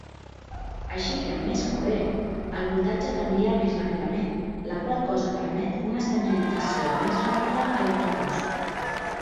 Així que amb més corrent, el voltatge canvia més ràpidament, la qual cosa permet una senyalització més ràpida a l'autobús.